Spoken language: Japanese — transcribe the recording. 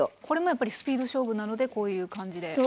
これもやっぱりスピード勝負なのでこういう感じで。